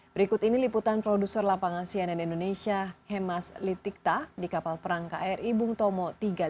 berikut ini liputan produser lapangan cnn indonesia hemas litikta di kapal perang kri bung tomo tiga ratus lima puluh